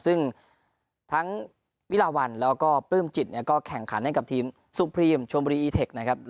ซึ่งทั้งวิลาวันแล้วก็ปลื้มจิตเนี่ยก็แข่งขันให้กับทีมสุพรีมชมบุรีอีเทคนะครับ